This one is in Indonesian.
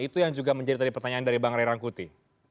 itu yang juga menjadi tadi pertanyaan dari bang ray rangkuti